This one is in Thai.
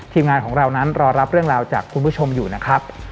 ทีมงานของเรานั้นรอรับเรื่องราวจากคุณผู้ชมอยู่นะครับ